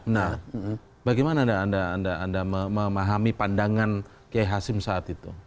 nah bagaimana anda memahami pandangan kiai hasim saat itu